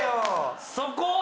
そこ？